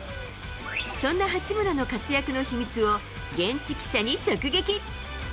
そんな八村の活躍の秘密を現地記者に直撃。